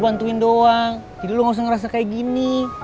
jadi lo gak usah ngerasa kayak gini